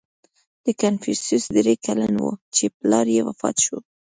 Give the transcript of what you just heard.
• کنفوسیوس درې کلن و، چې پلار یې وفات شو.